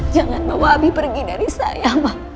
jangan bawa abi pergi dari saya